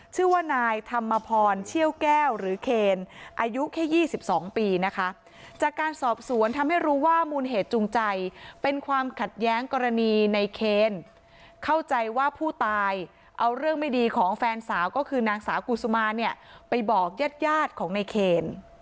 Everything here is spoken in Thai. ชื่อว่านายธรรมพรเชี่ยวแก้วหรือเคนอายุแค่๒๒ปีนะคะจากการสอบสวนทำให้รู้ว่ามูลเหตุจูงใจเป็นความขัดแย้งกรณีในเคนเข้าใจว่าผู้ตายเอาเรื่องไม่ดีของแฟนสาวก็คือนางสาวกุศุมาเนี่ยไปบอกญาติยาดของในเคน